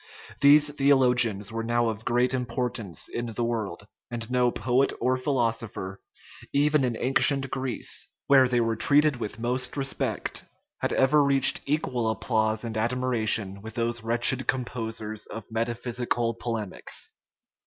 These theologians were now of great importance in the world; and no poet or philosopher, even in ancient Greece, where they were treated with most respect, had ever reached equal applause and admiration with those wretched composers of metaphysical polemics.